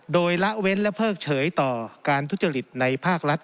โดยละเว้นและเพิกเฉยต่อการทุจริตในภาครัฐ